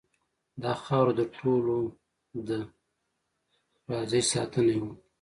داخاوره دټولو ډ ه ده راځئ ساتنه یې وکړو .